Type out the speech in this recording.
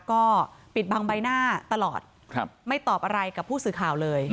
ก็ปิดบังใบหน้าตลอดไม่ตอบอะไรกับผู้สื่อข่าวเลย